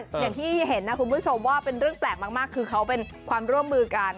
อย่างที่เห็นนะคุณผู้ชมว่าเป็นเรื่องแปลกมากคือเขาเป็นความร่วมมือกัน